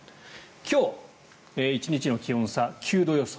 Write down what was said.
今日１日の気温差、９度予想。